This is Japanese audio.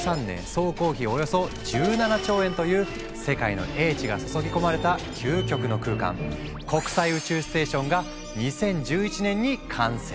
世界の英知が注ぎ込まれた究極の空間国際宇宙ステーションが２０１１年に完成。